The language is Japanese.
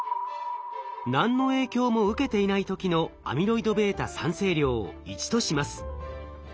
何の影響も受けていない時のアミロイドβ産生量を１とします。